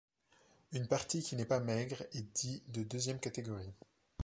Une partie qui n'est pas maigre est dit de deuxième catégorie.